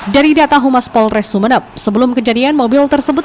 dari data humas polres sumeneb sebelum kejadian mobil tersebut